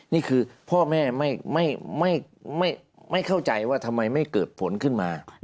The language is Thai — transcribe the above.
นี่คือพ่อแม่ไม่เข้าใจว่าทำไมไม่เกิดผลขึ้นมา